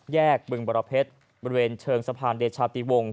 บึงบรเพชรบริเวณเชิงสะพานเดชาติวงศ